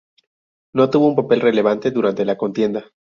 No tuvo un papel relevante durante la contienda.